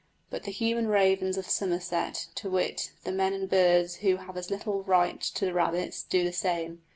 But the human ravens of Somerset to wit, the men and boys who have as little right to the rabbits do the same.